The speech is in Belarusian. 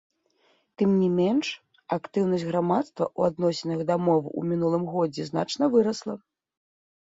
Тым не менш актыўнасць грамадства ў адносінах да мовы ў мінулым годзе значна вырасла.